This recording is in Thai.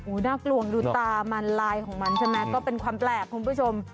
น่ากลัวดูตามันลายของมันใช่ไหมก็เป็นความแปลกคุณผู้ชม